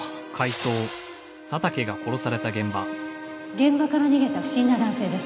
現場から逃げた不審な男性です。